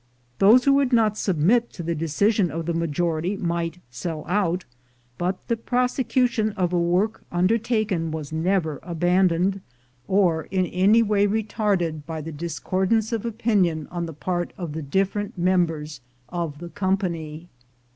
Those who would not submit to the decision of the majority might sell out, but the prose cution of a work undertaken was never abandoned or in any way retarded by the discordance of opinion on the part of the different members of the company.